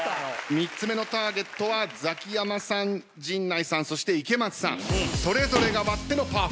３つ目のターゲットはザキヤマさん陣内さんそして池松さんそれぞれが割ってのパーフェクト。